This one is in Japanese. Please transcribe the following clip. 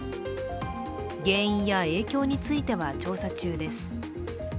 原因や影響については調査中です。